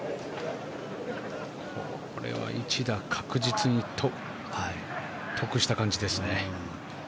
これは一打確実に得した感じですね。